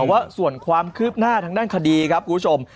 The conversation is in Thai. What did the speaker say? แต่ว่าส่วนความคืบหน้าทางด้านคดีครับคุณผู้ชม